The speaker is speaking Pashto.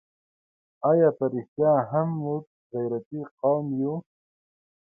آیا په رښتیا هم موږ غیرتي قوم یو؟